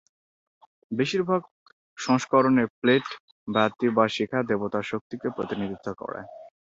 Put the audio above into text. বেশিরভাগ সংস্করণে প্লেট, বাতি বা শিখা দেবতার শক্তিকে প্রতিনিধিত্ব করে।